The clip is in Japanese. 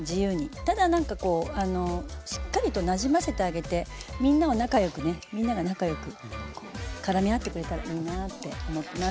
ただ何かこうしっかりとなじませてあげてみんなを仲良くねみんなが仲良くからみ合ってくれたらいいなって思ってます。